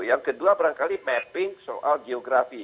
yang kedua barangkali mapping soal geografi